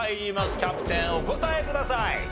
キャプテンお答えください。